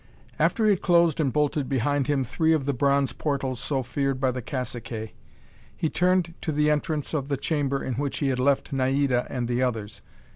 After he had closed and bolted behind him three of the bronze portals so feared by the caciques, he turned to the entrance of the chamber in which he had left Naida and the others.